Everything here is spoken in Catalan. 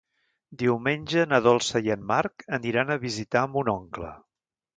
Diumenge na Dolça i en Marc aniran a visitar mon oncle.